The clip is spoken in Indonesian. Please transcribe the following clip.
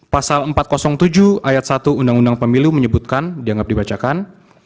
pasal empat ratus tujuh ayat satu undang undang pemilu menyebutkan dianggap dibacakan